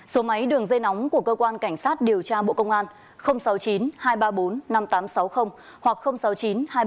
số máy đường dây nóng của cơ quan cảnh sát điều tra bộ công an sáu mươi chín hai trăm ba mươi bốn năm nghìn tám trăm sáu mươi hoặc sáu mươi chín hai trăm ba mươi một hai nghìn sáu trăm bảy